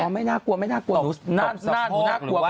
ไม่น่ากลัวหนูน่ากลัว